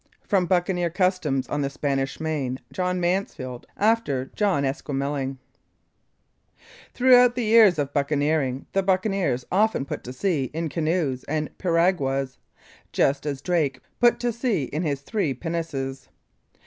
THE WAYS OF THE BUCCANEERS JOHN MASEFIELD after JOHN ESQUEMELING Throughout the years of buccaneering, the buccaneers often put to sea in canoas and periaguas, just as Drake put to sea in his three pinnaces.